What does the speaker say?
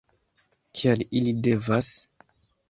Kial ili devas?